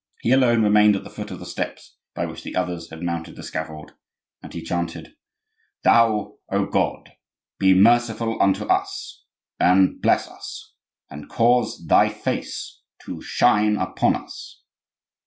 He alone remained at the foot of the steps by which the others had mounted the scaffold, and he chanted:— "Thou, O God, be merciful unto us, And bless us, And cause thy face to shine upon us.